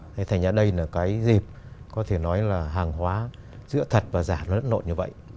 thế thì đây là cái dịp có thể nói là hàng hóa giữa thật và giảm nó đất nộn như vậy